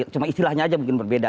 cuma istilahnya aja mungkin berbeda